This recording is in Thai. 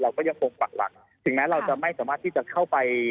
เราก็ยังคงปักหลักถึงแม้เราจะไม่สามารถที่จะเข้าไป